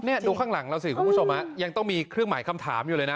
นี่ดูข้างหลังเราสิคุณผู้ชมยังต้องมีเครื่องหมายคำถามอยู่เลยนะ